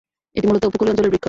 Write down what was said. এটি মূলত উপকূলীয় অঞ্চলের বৃক্ষ।